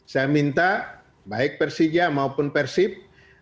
saya minta baik persija maupun persib